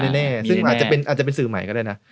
แน่ซึ่งอาจจะเป็นสื่อใหม่ก็ได้นะ